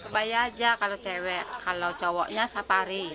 bayi aja kalau cewek kalau cowoknya safari